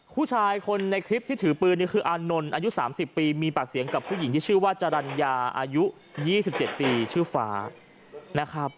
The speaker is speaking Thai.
ผู้ชายคนในคลิปที่ถือปืนนี่คืออานนท์อายุ๓๐ปีมีปากเสียงกับผู้หญิงที่ชื่อว่าจรรยาอายุ๒๗ปีชื่อฟ้านะครับ